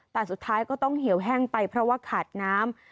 แต่สุดท้ายก็ต้องเหี่ยวแห้งไปเพราะว่าขาดน้ำ